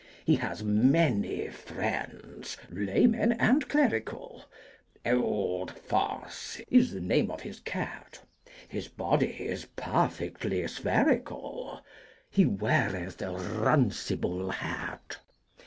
He has many friends, lay men and clerical, Old Foss is the name of his cat; His body is perfectly spherical, He weareth a runcible hat.